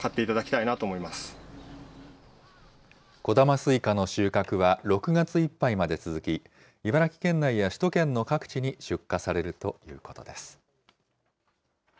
こだますいかの収穫は６月いっぱいまで続き、茨城県内や首都圏の各地に出荷されるということです。